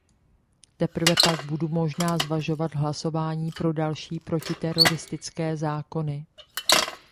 Teprve pak budu možná zvažovat hlasování pro další protiteroristické zákony.